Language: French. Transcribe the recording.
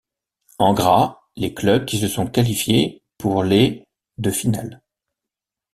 En gras, les clubs qui se sont qualifiés pour les de finale.